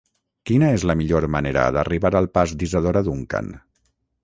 Quina és la millor manera d'arribar al pas d'Isadora Duncan?